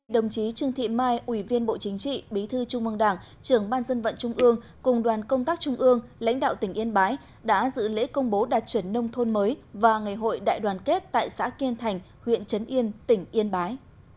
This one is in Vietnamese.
đồng chí trương thị mai ủy viên bộ chính trị bí thư trung mong đảng trưởng ban dân vận trung ương cùng đoàn công tác trung ương lãnh đạo tỉnh yên bái đã dự lễ công bố đạt chuẩn nông thôn mới và ngày hội đại đoàn kết tại xã kiên thành huyện trấn yên tỉnh yên bái